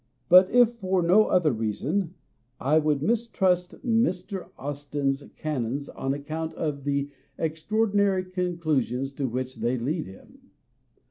But if for no other reason, I would mistrust Mr. Austin's canons on account of the extraordinary con clusions to which they lead him.